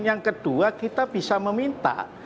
yang kedua kita bisa meminta